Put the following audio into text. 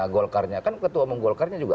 golkarnya kan ketua umum golkarnya juga